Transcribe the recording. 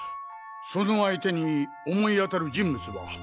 その相手に思い当たる人物は？